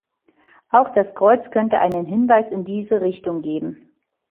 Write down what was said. Auch das Kreuz könnte einen Hinweis in diese Richtung geben.